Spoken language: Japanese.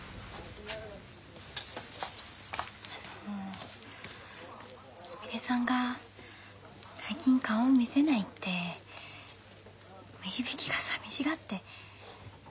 あのすみれさんが最近顔を見せないって梅響がさみしがって。